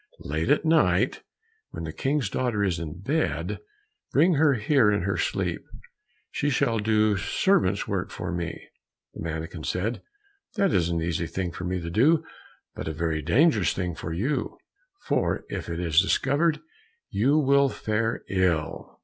"Late at night, when the King's daughter is in bed, bring her here in her sleep, she shall do servant's work for me." The mannikin said, "That is an easy thing for me to do, but a very dangerous thing for you, for if it is discovered, you will fare ill."